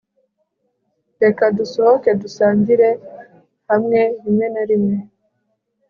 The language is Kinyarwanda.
reka dusohoke dusangire hamwe rimwe na rimwe